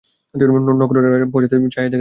নক্ষত্ররায় পশ্চাতে চাহিয়া দেখিলেন, রাজা।